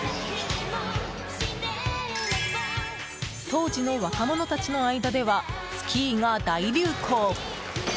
当時の若者たちの間ではスキーが大流行。